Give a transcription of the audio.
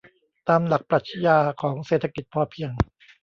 ตามหลักปรัชญาของเศรษฐกิจพอเพียง